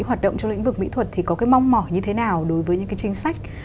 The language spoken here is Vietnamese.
hoạt động trong lĩnh vực mỹ thuật thì có cái mong mỏi như thế nào đối với những cái chính sách